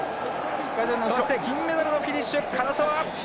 そして銀メダルのフィニッシュ唐澤！